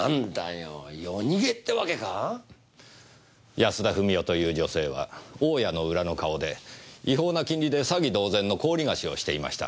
安田富美代という女性は大家の裏の顔で違法な金利で詐欺同然の高利貸しをしていました。